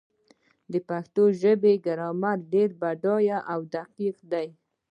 د پښتو ژبې ګرامر ډېر بډایه او دقیق دی.